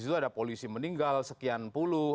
di situ ada polisi meninggal sekian puluh